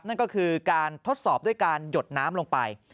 นั่นก็คือการทดสอบด้วยการหยดน้ำลงไป